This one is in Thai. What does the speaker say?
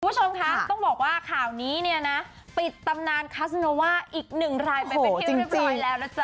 คุณผู้ชมคะต้องบอกว่าข่าวนี้เนี่ยนะปิดตำนานคัสโนว่าอีกหนึ่งรายไปเป็นที่เรียบร้อยแล้วนะจ๊